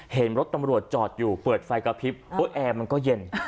เห็นรถตำรวจจอดอยู่เปิดไฟกระพริบโอ๊ยแอร์มันก็เย็น